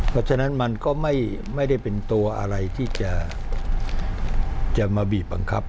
เพราะฉะนั้นมันก็ไม่ได้เป็นตัวอะไรที่จะมาบีบบังคับ